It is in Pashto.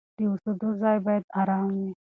د اوسېدو ځای باید آرام وي.